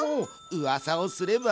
うわさをすれば。